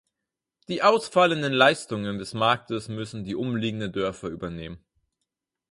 Die ausfallenden Leistungen des Marktes müssen die umliegenden Dörfer übernehmen.